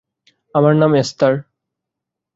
আমার নাম এস্থার।